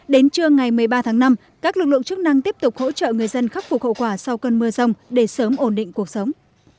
đến trưa ngày một mươi ba tháng năm các lực lượng chức năng tiếp tục hỗ trợ người dân khắc phục hậu quả sau cơn mưa rông để sớm ổn định cuộc sống